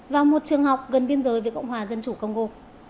vào một trường học gần biên giới về cộng hòa dân chủ congo